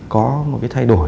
có một cái thay đổi